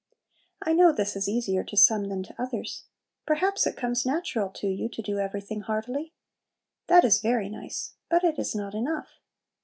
I know this is easier to some than to others. Perhaps it "comes natural" to you to do everything heartily. That is very nice, but it is not enough.